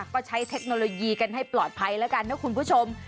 ก็ใช้เทคโนโลยีกันให้ปลอดภัยแล้วกันนะคุณผู้ชม